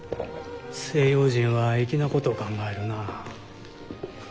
西洋人は粋なことを考えるな。